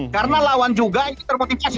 karena lawan juga itu termotivasi